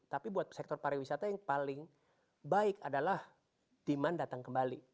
tapi buat sektor pariwisata yang paling baik adalah demand datang kembali